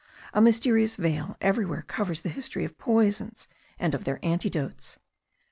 A mysterious veil everywhere covers the history of poisons and of their antidotes.